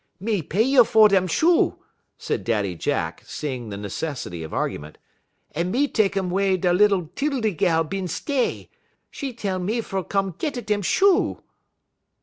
"Me pay you fer dem shoe," said Daddy Jack, seeing the necessity of argument, "un me tek um wey da lil 'Tildy gal bin stay. She tell me fer come git a dem shoe."